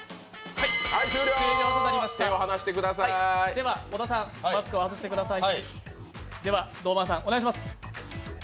では、小田さん、マスクを外してください。